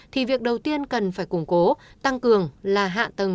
thì việc đầu tiên cần phải củng cố tăng cường là hạ tầng